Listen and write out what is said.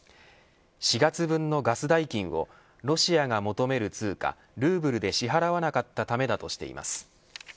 ４月分のガス代金をロシアが求める通貨ルーブルで支払わなかったためだとしています。